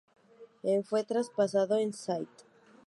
En fue traspasado a St.